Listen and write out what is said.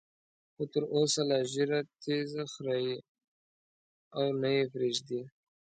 خو تر اوسه لا ږیره تېزه خرېي او نه یې پریږدي.